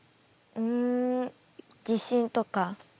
ん自信とか。